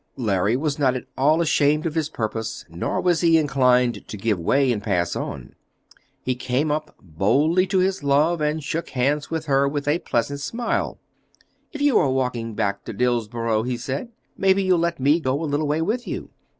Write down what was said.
Larry was not at all ashamed of his purpose, nor was he inclined to give way and pass on. He came up boldly to his love, and shook hands with her with a pleasant smile. "If you are walking back to Dillsborough," he said, "maybe you'll let me go a little way with you?"